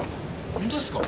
ホントですか？